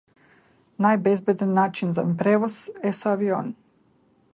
Најбезбеден начин на превоз е со авион.